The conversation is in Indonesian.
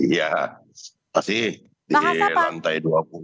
iya masih di lantai dua puluh